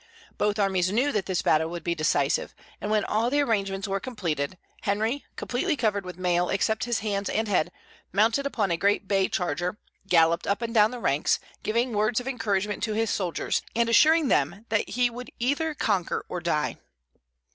Both armies knew that this battle would be decisive; and when all the arrangements were completed, Henry, completely covered with mail except his hands and head, mounted upon a great bay charger, galloped up and down the ranks, giving words of encouragement to his soldiers, and assuring them that he would either conquer or die.